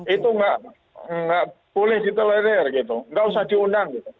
itu nggak boleh ditolerir gitu nggak usah diundang gitu